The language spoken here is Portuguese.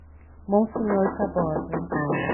Monsenhor Tabosa